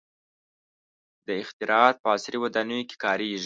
• دا اختراعات په عصري ودانیو کې کارېږي.